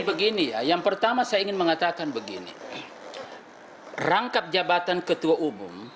jadi begini ya yang pertama saya ingin mengatakan begini rangkap jabatan ketua umum